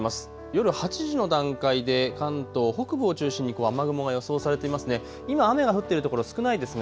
夜８時の段階で関東北部を中心に雨雲が予想されています。